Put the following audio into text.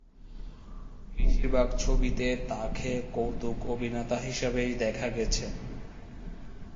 বেশিরভাগ ছবিতে তাঁকে কৌতুক অভিনেতা হিসাবেই দেখা গেছে।